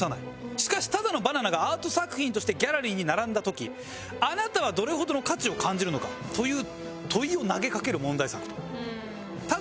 しかしただのバナナがアート作品としてギャラリーに並んだ時「あなたはどれほどの価値を感じるのか？」という問いを投げ掛ける問題作と。